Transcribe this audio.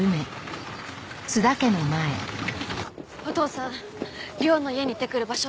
お父さん亮の家に行ってくる。